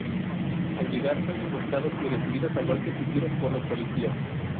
Al llegar son emboscados y recibidos a golpes y tiros por los policías.